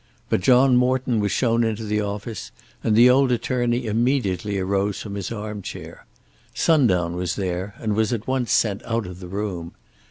But John Morton was shown into the office, and the old attorney immediately arose from his arm chair. Sundown was there, and was at once sent out of the room.